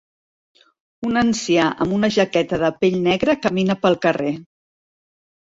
Un ancià amb una jaqueta de pell negra camina pel carrer.